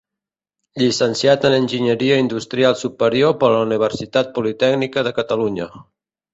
Llicenciat en enginyeria industrial superior per la Universitat Politècnica de Catalunya.